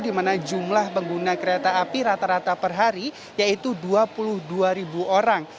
di mana jumlah pengguna kereta api rata rata per hari yaitu dua puluh dua ribu orang